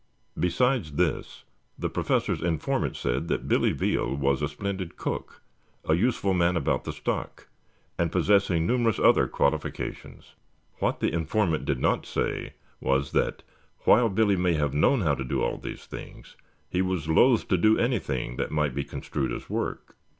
Besides this, the Professor's informant said that Billy Veal was a splendid cook, a useful man about the stock, and possessing numerous other qualifications. What the informant did not say was that, while Billy may have known how to do all these things, he was loath to do anything that might be construed as work.